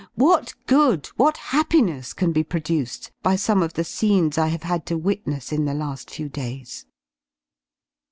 What^^^*^, what happiness \ can be produced by some of the scenes I have had to witness '' in the la^ few days.?